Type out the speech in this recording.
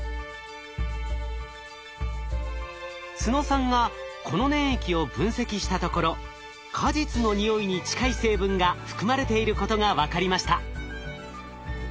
都野さんがこの粘液を分析したところ果実の匂いに近い成分が含まれていることが分かりました。